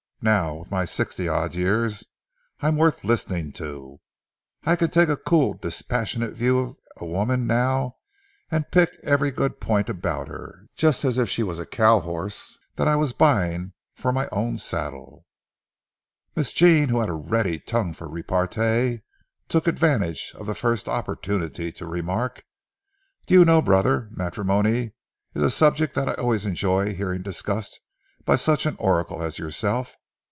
Now, with my sixty odd years, I'm worth listening to. I can take a cool, dispassionate view of a woman now, and pick every good point about her, just as if she was a cow horse that I was buying for my own saddle." Miss Jean, who had a ready tongue for repartee, took advantage of the first opportunity to remark: "Do you know, brother, matrimony is a subject that I always enjoy hearing discussed by such an oracle as yourself.